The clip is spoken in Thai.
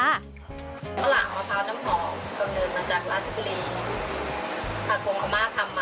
แต่ทำในรูปมะพร้าวอ่อนในรูปมะพันธุ์ฟอร์ม